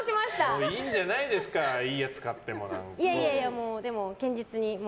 もういいじゃないのいいやつを買っても。